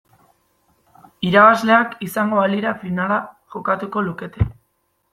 Irabazleak izango balira finala jokatuko lukete.